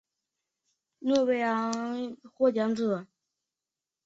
评审委员会负责筛选提名和选拔获奖者。